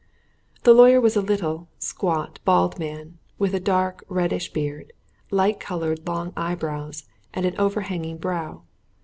The lawyer was a little, squat, bald man, with a dark, reddish beard, light colored long eyebrows, and an overhanging brow.